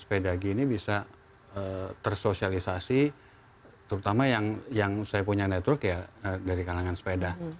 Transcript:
sepeda gini bisa tersosialisasi terutama yang saya punya network ya dari kalangan sepeda